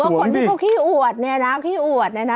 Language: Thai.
ว่าคนพวกเขาขี้อวดนะ